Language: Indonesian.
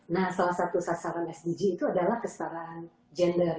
nah salah satu sasaran sdg itu adalah kesaran gender